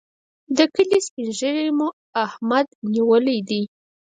د کلي سپين ږيری مو احمد نیولی دی.